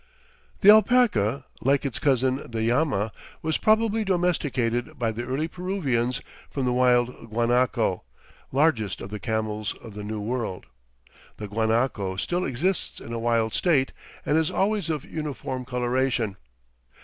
The alpaca, like its cousin, the llama, was probably domesticated by the early Peruvians from the wild guanaco, largest of the camels of the New World. The guanaco still exists in a wild state and is always of uniform coloration.